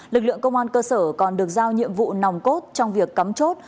lực lượng công an cơ sở còn được giao nhiệm vụ nòng cốt trong việc cắm chốt